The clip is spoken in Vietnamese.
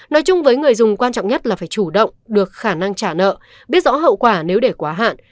nói chung với người dùng quan trọng nhất là phải chủ động được khả năng trả nợ biết rõ hậu quả nếu để quá hạn